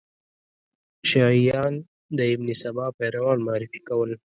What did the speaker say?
شیعیان د ابن سبا پیروان معرفي کول.